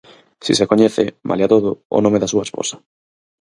Si se coñece, malia todo, o nome da súa esposa.